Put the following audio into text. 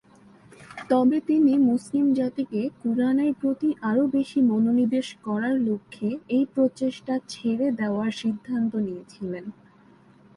তবে তিনি মুসলিম জাতিকে কুরআনের প্রতি আরও বেশি মনোনিবেশ করার লক্ষ্যে এই প্রচেষ্টা ছেড়ে দেওয়ার সিদ্ধান্ত নিয়েছিলেন।